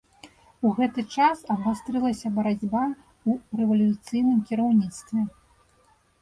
У гэты час абвастрылася барацьба ў рэвалюцыйным кіраўніцтве.